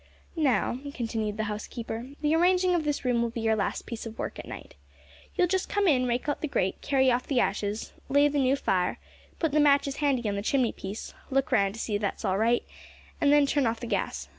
"Now," continued the housekeeper, "the arranging of this room will be your last piece of work at night. You'll just come in, rake out the grate, carry off the ashes, lay the noo fire, put the matches handy on the chimney piece, look round to see that all's right, and then turn off the gas.